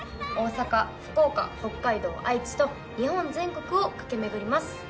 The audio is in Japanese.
大阪福岡北海道愛知と日本全国を駆けめぐります。